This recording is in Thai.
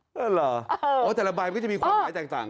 หรือเหรอแต่ละใบมันก็จะมีความหมายต่าง